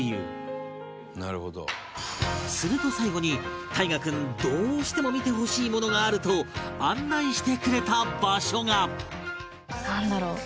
すると最後に汰佳君どうしても見てほしいものがあると案内してくれた場所がなんだろう